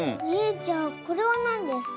じゃあこれはなんですか？